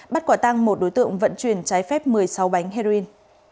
bắt quả tăng một đối tượng vận chuyển trái phép một mươi sáu bánh heroin